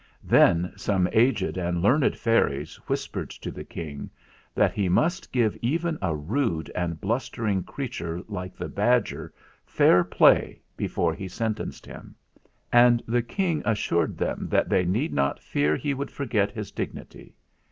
Then some aged and learned fairies whispered to the King that he must give even a rude and blustering creature like the badger fair play before he sentenced him ; and the King assured them that they need not fear he would forget his dignity.